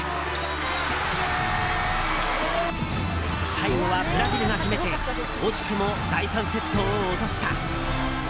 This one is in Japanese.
最後はブラジルが決めて惜しくも第３セットを落とした。